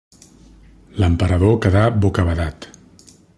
L'emperador quedà bocabadat.